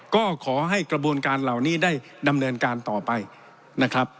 ก็ขอให้กระบวนการเหล่านี้ได้ดำเนินการต่อไปนะครับ